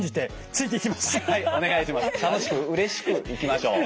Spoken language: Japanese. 楽しくうれしくいきましょう。